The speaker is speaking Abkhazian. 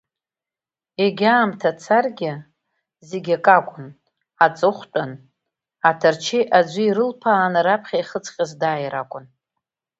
Егьа аамҭа царгьы, зегьы акакәын, аҵыхәтәан, аҭарчеи аӡәы ирылԥааны раԥхьа иахьыҵҟьаз дааир акәын.